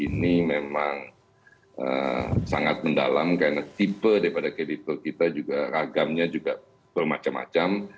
ini memang sangat mendalam karena tipe daripada kredibel kita juga ragamnya juga bermacam macam